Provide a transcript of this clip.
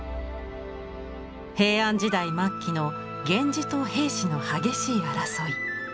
平安時代末期の源氏と平氏の激しい争い。